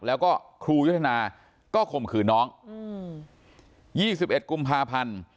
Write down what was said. แล้วก็ครูยุธนาก็ข่มขืนน้องอืมยี่สิบเอ็ดกุมพาพันธุ์